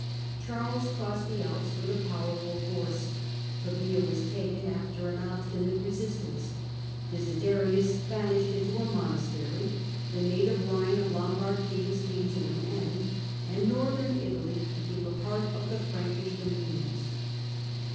Charles crossed the Alps with a powerful force. Pavia was taken, after an obstinate resistance; Desiderius vanished into a monastery, the native line of Lombard kings came to an end, and northern Italy became a part of the Pranldsh dominions.